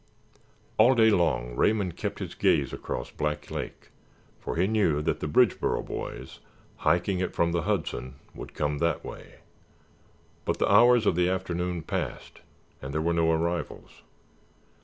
All day long Raymond kept his gaze across Black Lake, for he knew that the Bridgeboro boys, hiking it from the Hudson, would come that way; but the hours of the afternoon passed and there were no arrivals.